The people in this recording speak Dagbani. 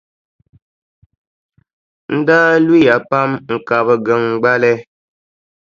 N daa luya pam n-kabigi n gbali.